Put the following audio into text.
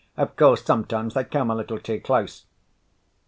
Of course, sometimes they come a little too close."